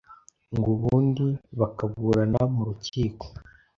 ngo ubundi bakaburana mu rukiko,